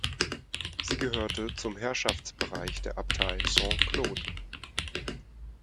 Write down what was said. Sie gehörte zum Herrschaftsbereich der Abtei Saint-Claude.